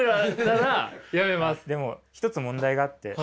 でも一つ問題があって。